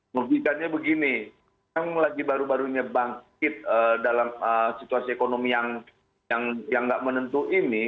merugikannya begini yang lagi baru barunya bangkit dalam situasi ekonomi yang nggak menentu ini